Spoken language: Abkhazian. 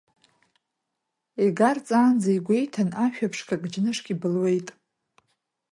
Игарҵаанӡа игәеиҭан ашәа ԥшқак, џьнышк ибылуеит.